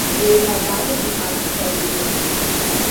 They are part of the Arctic Cordillera.